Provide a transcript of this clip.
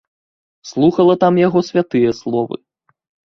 Слухала там яго святыя словы.